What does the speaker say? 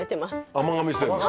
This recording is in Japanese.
甘噛みしてんの？